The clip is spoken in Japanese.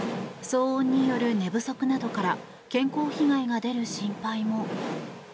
騒音による寝不足などから健康被害が出る心配も。